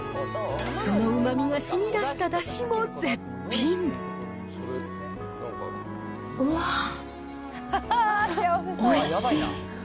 そのうまみがしみだしただしも絶うわぁ、おいしい。